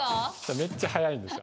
めっちゃ速いんですよ。